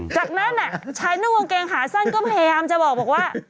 จากนั้นชายนุ่งกางเกงขาสั้นก็พยายามจะบอกว่า